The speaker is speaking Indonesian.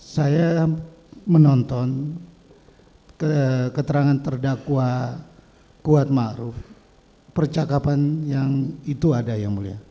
saya menonton keterangan terdakwa kuat ma'ruf percakapan yang itu ada ya mulia